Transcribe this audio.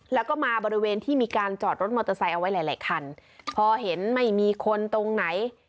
แล้วก็มาบริเวณที่มีการจอดรถมอเตอร์ไซค์เอาไว้หลายหลายคันพอเห็นไม่มีคนตรงไหน